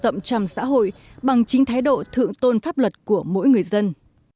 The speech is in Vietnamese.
nét văn hóa đang rộng trầm xã hội bằng chính thái độ thượng tôn pháp luật của mỗi người dân